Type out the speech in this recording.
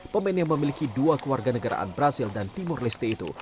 pemain yang memiliki dua keluarga negaraan brazil dan timur leste itu